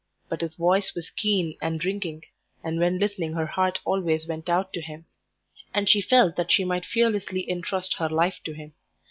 But his voice was keen and ringing, and when listening her heart always went out to him, and she felt that she might fearlessly entrust her life to him.